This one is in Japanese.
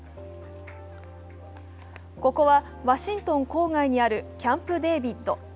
ここはワシントン郊外にあるキャンプ・デービッド。